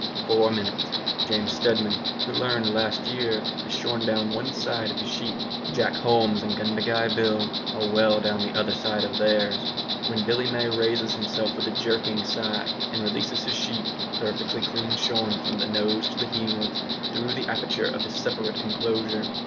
Four minutes James Steadman, who learned last year, has shorn down one side of his sheep; Jack Holmes and Gundagai Bill are well down the other sides of theirs; when Billy May raises himself with a jerking sigh, and releases his sheep, perfectly clean shorn from the nose to the heels, through the aperture of his separate enclosure.